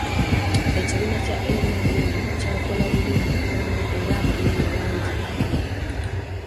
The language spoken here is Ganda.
Ekibiina kya NRM kyakola bubi mu Buganda era abanene bangi bagenda.